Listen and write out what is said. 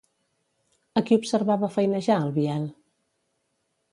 A qui observava feinejar, el Biel?